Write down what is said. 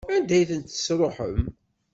Anda ay tent-tesṛuḥem?